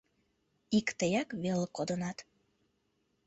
Ик тыяк веле кодынат.